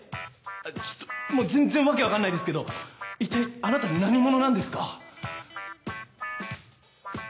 ちょっともう全然訳分かんないですけど一体あなた何者なんですか？